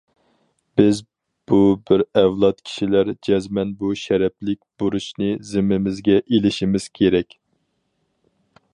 بىز بۇ بىر ئەۋلاد كىشىلەر جەزمەن بۇ شەرەپلىك بۇرچنى زىممىمىزگە ئېلىشىمىز كېرەك.